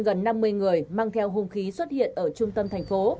gần năm mươi người mang theo hung khí xuất hiện ở trung tâm thành phố